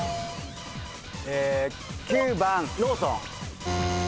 え９番ローソン。